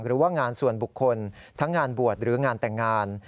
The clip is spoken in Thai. หรือว่างานส่วนบุคคลทั้งงานบวชหรืองานแต่งงาน